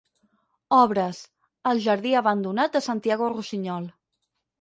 Obres: El Jardí abandonat de Santiago Rusiñol.